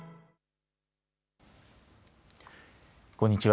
こんにちは。